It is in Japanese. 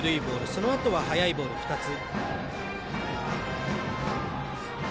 そのあとは速いボール２つ。